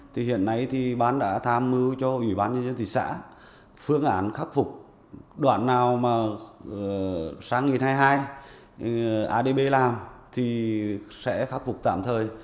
thì hiện nay thì bán đã tham mưu cho ủy ban nhân dân thị xã phương án khắc phục đoạn nào mà sáng hai nghìn hai mươi hai adb làm thì sẽ khắc phục tạm thời